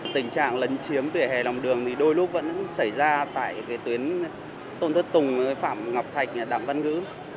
tình trạng lấn chiếm vỉa hè lòng đường đôi lúc vẫn xảy ra tại tuyến tôn thất tùng phạm ngọc thạch đảng văn ngữ